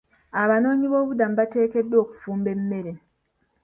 Abanooyiboobubuddamu baatendekeddwa okufumba emmere.